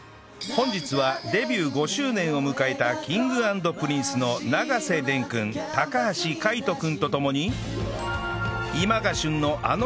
本日はデビュー５周年を迎えた Ｋｉｎｇ＆Ｐｒｉｎｃｅ の永瀬廉君橋海人君と共に